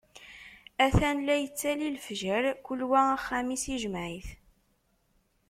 Atan la yettali lefjer, kul wa axxam-is ijmeɛ-it.